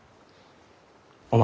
お前。